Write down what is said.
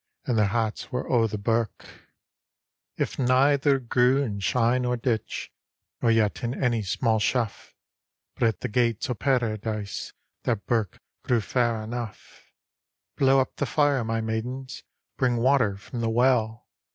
And their hats were o' the biit D,gt,, erihyGOOgle The Haunted Hour If neither grew in shye nor ditch Nor yet in any small shugh; But at the gates o' Paradise That birk grew fair eneug^. "Blow up the fire, my maidens! Bring water from the well!